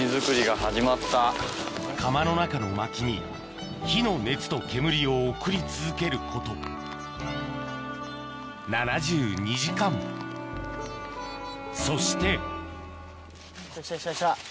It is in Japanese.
窯の中の薪に火の熱と煙を送り続けること７２時間そして来た来た来た来た。